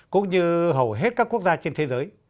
cũng như hầu hết các quốc gia trên thế giới